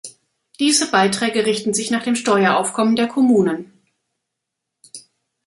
Diese Beiträge richten sich nach dem Steueraufkommen der Kommunen.